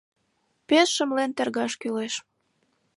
Пеш шымлен тергаш кӱлеш.